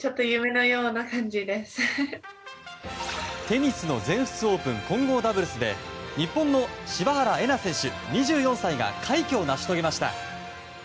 テニスの全仏オープン混合ダブルスで日本の柴原瑛菜選手、２４歳が快挙を成し遂げました。